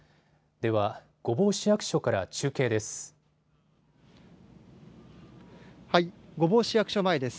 では、御坊市役所から中継です。